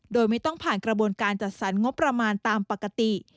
โดยไม่ต้องผ่านกระบวนการจัดสรรงบประมาณตามปกติ